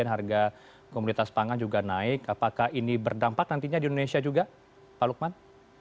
harga komoditas pangan juga naik apakah ini berdampak nantinya di indonesia juga pak lukman